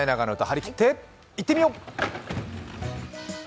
張り切っていってみよう！